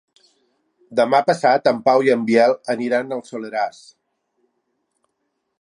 Demà passat en Pau i en Biel aniran al Soleràs.